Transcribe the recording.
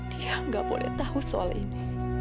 dia nggak boleh tahu soal ini